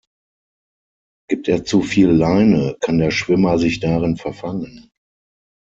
Gibt er zu viel Leine, kann der Schwimmer sich darin verfangen.